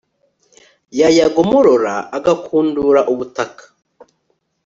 yayagomorora, agakundura ubutaka